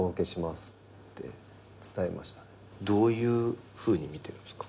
どういうふうに見てるんすか？